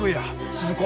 鈴子。